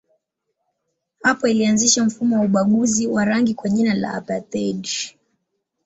Hapo ilianzisha mfumo wa ubaguzi wa rangi kwa jina la apartheid.